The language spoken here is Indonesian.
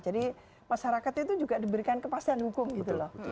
jadi masyarakat itu juga diberikan kepastian hukum gitu loh